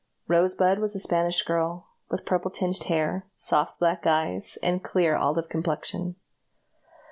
Rosebud was a Spanish girl, with purple tinged hair, soft black eyes, and clear olive complexion.